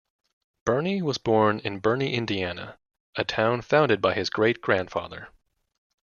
Burney was born in Burney, Indiana, a town founded by his great-grandfather.